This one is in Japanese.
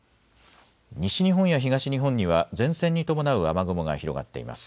西日本や東日本には前線に伴う雨雲が広がっています。